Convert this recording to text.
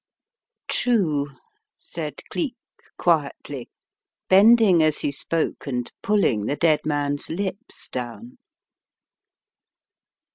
"True," said Cleek, quietly, bending as he spokd and pulling the dead man's lips down.